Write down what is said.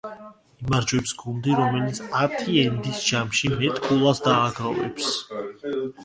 იმარჯვებს გუნდი, რომელიც ათი ენდის ჯამში მეტ ქულას დააგროვებს.